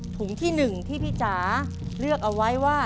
ถุงที่๑ที่พี่จ๋าเลือกเอาไว้ว่า